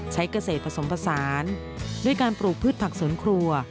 เกษตรผสมผสานด้วยการปลูกพืชผักสวนครัว